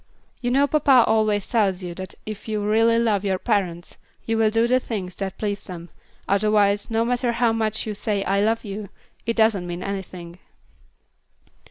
You know papa always tells you that if you really love your parents, you will do the things that please them, otherwise, no matter how much you say 'I love you,' it doesn't mean anything."